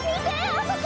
あそこ！